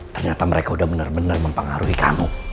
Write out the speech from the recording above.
ternyata mereka udah bener bener mempengaruhi kamu